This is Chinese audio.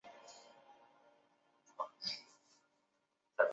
村上直次郎是日本历史学家。